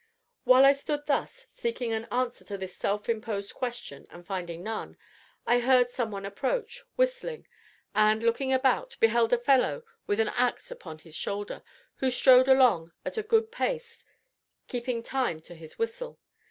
While I stood thus, seeking an answer to this self imposed question and finding none, I heard some one approach, whistling, and, looking about, beheld a fellow with an axe upon his shoulder, who strode along at a good pace, keeping time to his whistle.